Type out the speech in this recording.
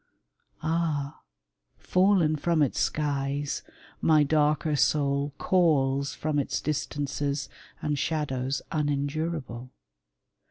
Ah I fallen from its skies, My darker soul calls from its distances And shadows unendurable.